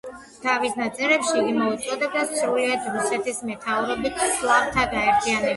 თავის ნაწერებში იგი მოუწოდებდა სრულიად რუსეთის მეთაურობით სლავთა გაერთიანებისაკენ.